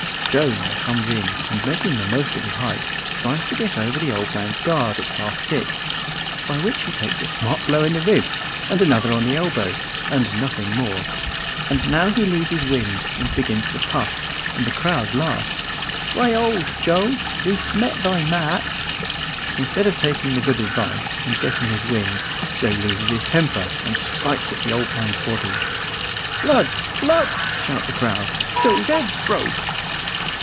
Joe now comes in, and making the most of his height, tries to get over the old man's guard at half stick, by which he takes a smart blow in the ribs and another on the elbow, and nothing more. And now he loses wind and begins to puff, and the crowd laugh. "Cry 'hold,' Joe; thee'st met thy match!" Instead of taking good advice and getting his wind, Joe loses his temper, and strikes at the old man's body. "Blood, blood!" shout the crowd; "Joe's head's broke!"